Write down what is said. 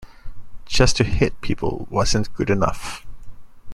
Just to hit people wasn't good enough.